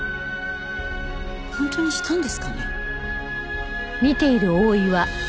本当にしたんですかね？